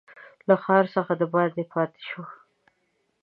له ښار څخه دباندي پاته شو.